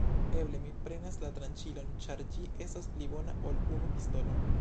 Eble mi prenas la tranĉilon, ĉar ĝi estas pli bona ol unu pistolon.